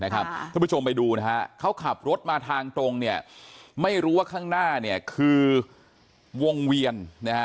คุณผู้ชมไปดูนะฮะเขาขับรถมาทางตรงเนี่ยไม่รู้ว่าข้างหน้าคือวงเวียน